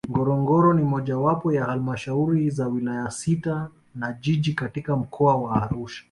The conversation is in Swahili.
Ngorongoro ni mojawapo ya Halmashauri za Wilaya sita na Jiji katika Mkoa wa Arusha